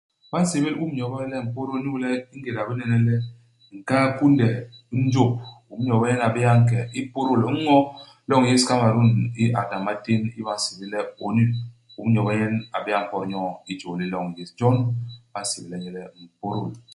Ba nsébél Um Nyobe le Mpôdôl inyu le ingéda i binene le nkaa u kunde u njôp, Um Nyobe nyen a bé'é a nke ipôdôl i ño u loñ yés Kamerun i adna i matén i ba nsébél le ONU. Um Nyobe nyen a bé'é a mpot nyoo i jôl li loñ yés. Jon ba nséblene nye le Mpôdôl.